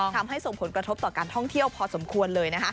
ส่งผลกระทบต่อการท่องเที่ยวพอสมควรเลย